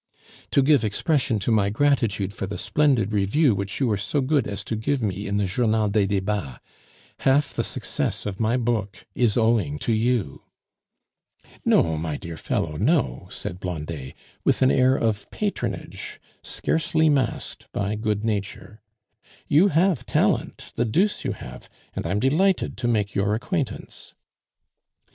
" to give expression to my gratitude for the splendid review which you were so good as to give me in the Journal des Debats. Half the success of my book is owing to you." "No, my dear fellow, no," said Blondet, with an air of patronage scarcely masked by good nature. "You have talent, the deuce you have, and I'm delighted to make your acquaintance."